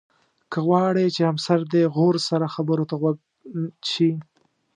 که غواړې چې همسر دې غور سره خبرو ته غوږ شي.